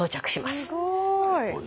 すごい。